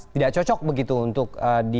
tidak cocok begitu untuk